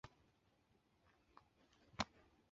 职业足球员全国联盟共同创立。